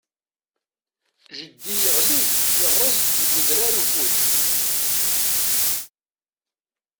Jeddi yeɣli yeṛṛez deg udrar ufud.